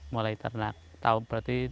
mulai ternak tahun dua ribu lima belas